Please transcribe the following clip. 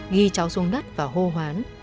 ghi cháu xuống đất và hô hoán